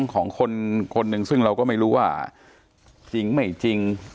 ของคนคนหนึ่งซึ่งเราก็ไม่รู้ว่าจริงไม่จริง